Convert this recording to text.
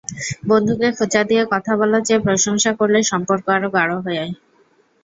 বন্ধুকে খোঁচা দিয়ে কথা বলার চেয়ে প্রশংসা করলে সম্পর্ক আরও গাঢ় হয়।